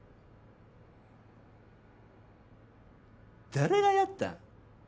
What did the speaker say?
誰がやった？